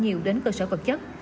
nhiều đến cơ sở vật chất